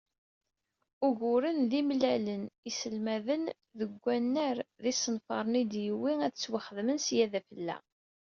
Uguren i d-mlalen yiselmaden deg unnar d yisenfaren i d-yuwi ad ttwaxedmen sya d afella.